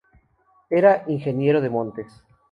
Era ingeniero de montes.